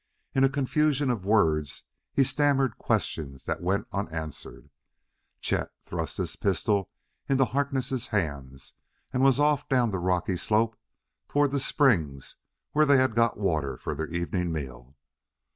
In a confusion of words he stammered questions that went unanswered. Chet thrust his pistol into Harkness' hands and was off down the rocky slope toward the springs where they had got water for their evening meal.